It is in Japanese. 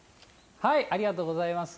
ありがとうございます。